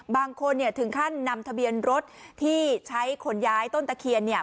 บางคนเนี่ยถึงขั้นนำทะเบียนรถที่ใช้ขนย้ายต้นตะเคียนเนี่ย